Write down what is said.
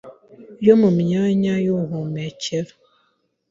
yo mu myanya y'ubuhumekero